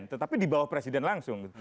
tetapi di bawah presiden langsung